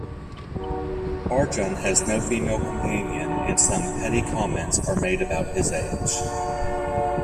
Arjun has no female companion and some petty comments are made about his age.